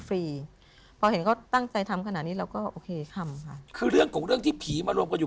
พี่ทำค่ะคือเรื่องของเรื่องที่ผีมารวมกันอยู่